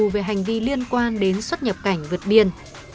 về hành vi liên quan đến xuất nhập cảnh vượt biên